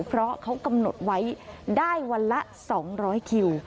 เพราะเขากำหนดไว้ได้วันละ๒๐๐คิว